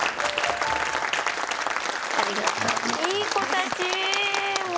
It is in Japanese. いい子たちもう。